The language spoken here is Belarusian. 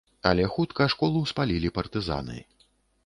Але хутка школу спалілі партызаны.